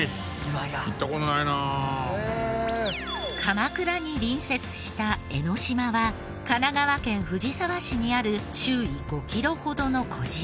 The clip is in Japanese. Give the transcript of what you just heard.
鎌倉に隣接した江の島は神奈川県藤沢市にある周囲５キロほどの小島。